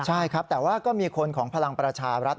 ใช่ครับแต่ว่าก็มีคนของพลังประชารัฐ